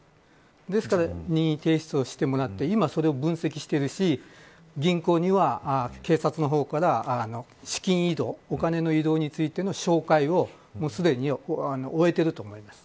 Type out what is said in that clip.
ですから任意提出してもらって今、それを分析しているし銀行には警察の方からお金の移動についての照会をすでに終えていると思います。